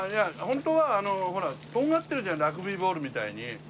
本当はあのほらとんがってるじゃんラグビーボールみたいに。